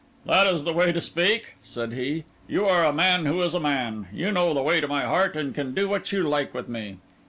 "That is the way to speak," said he. "You are a man who is a man. You know the way to my heart, and can do what you like with me.